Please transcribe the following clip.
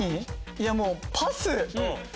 いやもうパス。